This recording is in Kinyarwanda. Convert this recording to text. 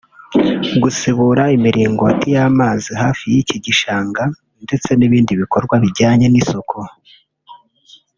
gusibura imiringoti y’amazi hafi y’iki gishanga ndetse n’ibindi bikorwa bijyanye n’isuku